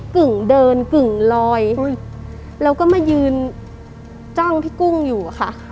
กึ่งเดินกึ่งลอยแล้วก็มายืนจ้องพี่กุ้งอยู่อะค่ะ